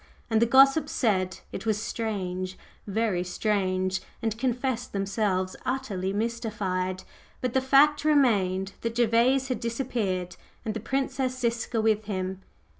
And the gossips said it was "strange, very strange!" and confessed themselves utterly mystified. But the fact remained that Gervase had disappeared and the Princess Ziska with him.